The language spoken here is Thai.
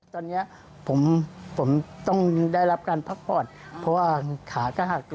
ตอนนี้ผมผมต้องได้รับการพักผ่อนเพราะว่าขาก็หักตัว